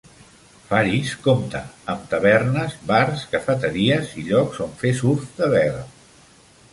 Faris compta amb: tavernes, bars, cafeteries i llocs on fer surf de vela.